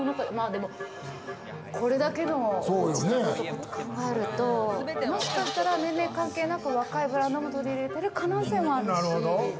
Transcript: でも、これだけのおうちと考えると、もしかしたら年齢関係なく若いブランドも取り入れてる可能性もあるし。